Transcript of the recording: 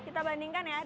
kita bandingkan ya